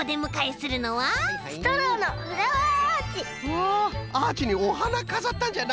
わあっアーチにおはなかざったんじゃな！